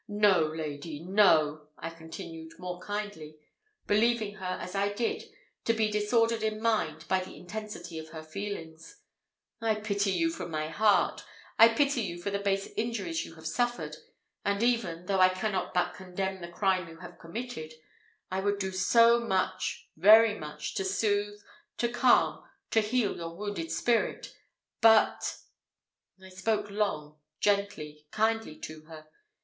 No, lady, no," I continued, more kindly, believing her, as I did, to be disordered in mind by the intensity of her feelings; "I pity you from my heart I pity you for the base injuries you have suffered; and even, though I cannot but condemn the crime you have committed, I would do much, very much, to soothe, to calm, to heal your wounded spirit; but " I spoke long gently kindly to her.